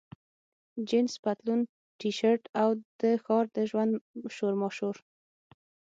جینس پتلون، ټي شرټ، او د ښار د ژوند شورماشور.